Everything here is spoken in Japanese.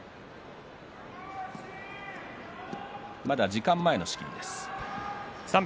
時間前の仕切りです。